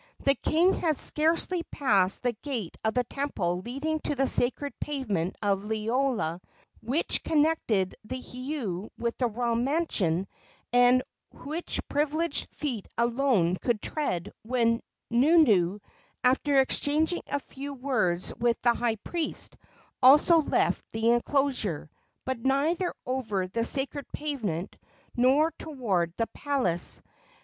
The king had scarcely passed the gate of the temple leading to the sacred pavement of Liloa, which connected the heiau with the royal mansion, and which privileged feet alone could tread, when Nunu, after exchanging a few words with the high priest, also left the enclosure, but neither over the sacred pavement nor toward the palace.